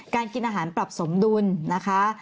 กินอาหารปรับสมดุลนะคะ